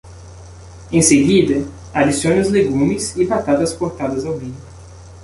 Em seguida, adicione os legumes e batatas cortadas ao meio.